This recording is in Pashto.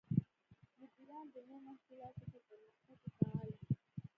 مدیران د نوو محصولاتو په پرمختګ کې فعال دي.